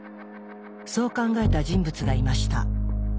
そう考えた人物がいました。